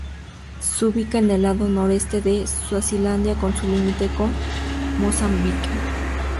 Se ubica en el lado noreste de Suazilandia con su límite con Mozambique.